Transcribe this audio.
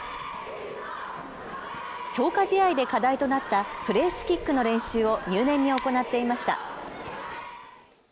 強化試合で課題となったプレースキックの練習を入念に行っていました。